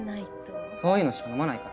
そういうのしか飲まないから。